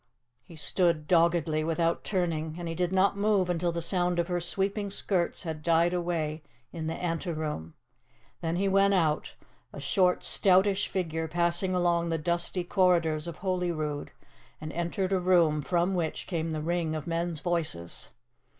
He stood doggedly, without turning, and he did not move until the sound of her sweeping skirts had died away in the anteroom. Then he went out, a short, stoutish figure passing along the dusty corridors of Holyrood, and entered a room from which came the ring of men's voices.